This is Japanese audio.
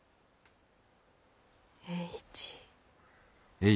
栄一。